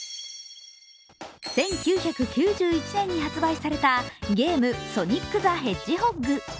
１９９１年に発売された、ゲーム「ソニック・ザ・ヘッジホッグ」。